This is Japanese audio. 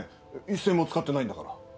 一銭も使ってないんだから。